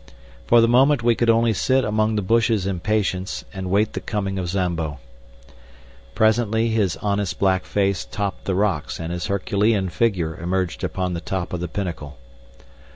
For the moment we could only sit among the bushes in patience and wait the coming of Zambo. Presently his honest black face topped the rocks and his Herculean figure emerged upon the top of the pinnacle.